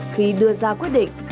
khi đưa ra quyết định